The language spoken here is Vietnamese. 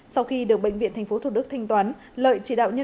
sau khi được bệnh viện tp thủ đức thanh toán